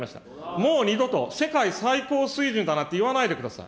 もう二度と世界最高水準だなんて言わないでください。